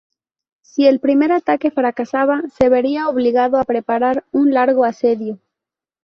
Si el primer ataque fracasaba, se vería obligado a preparar un largo asedio.